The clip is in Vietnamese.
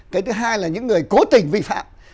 cái thứ hai là những người cố tình vi phạm